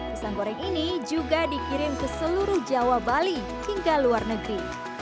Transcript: pisang goreng ini juga dikirim ke seluruh jawa bali hingga luar negeri